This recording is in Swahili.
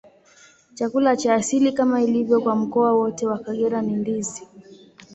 Chakula cha asili, kama ilivyo kwa mkoa wote wa Kagera, ni ndizi.